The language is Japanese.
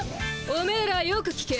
おめえらよく聞け。